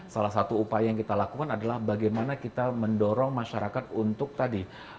salah satu upaya yang kita lakukan adalah bagaimana kita mendorong masyarakat untuk tadi